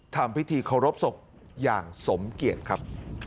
ทำพิธีเคารพศพอย่างสมเกียจครับ